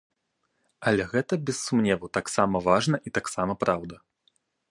Але гэта без сумневу таксама важна і таксама праўда.